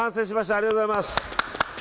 ありがとうございます。